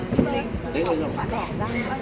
พี่อัดมาสองวันไม่มีใครรู้หรอก